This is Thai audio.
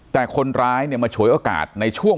แต่คนร้ายเนี่ยมาฉวยโอกาสในช่วง